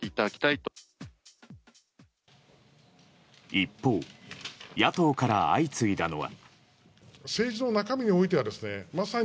一方野党から相次いだのは。